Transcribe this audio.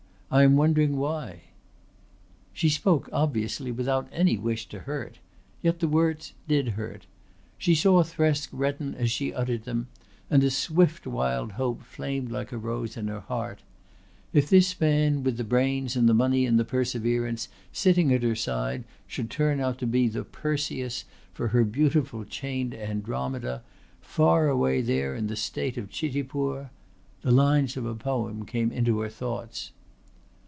I am wondering why." She spoke obviously without any wish to hurt. Yet the words did hurt. She saw Thresk redden as she uttered them, and a swift wild hope flamed like a rose in her heart: if this man with the brains and the money and the perseverance sitting at her side should turn out to be the Perseus for her beautiful chained Andromeda, far away there in the state of Chitipur! The lines of a poem came into her thoughts.